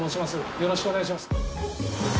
よろしくお願いします。